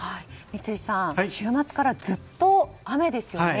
三井さん週末からずっと雨ですよね。